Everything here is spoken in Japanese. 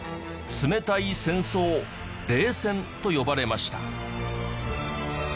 冷たい戦争冷戦と呼ばれました